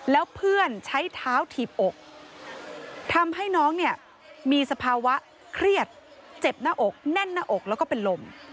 แล้วเพื่อนใช้เท้าถีบอกทำให้น้องเนี่ยมีสภาวะเครียดเจ็บหน้าอกแน่นหน้าอกแล้วก็เป็นลม